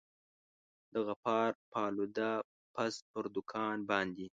د غفار پالوده پز پر دوکان باندي.